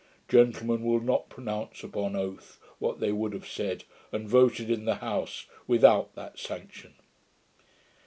'Gentlemen will not pronounce upon oath, what they would have said, and voted in the House without the sanction.'